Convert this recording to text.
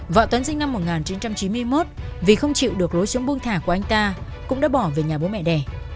vợ tuấn sinh năm một nghìn chín trăm chín mươi một vì không chịu được lối xuống buông thả của anh ta cũng đã bỏ về nhà bố mẹ đẻ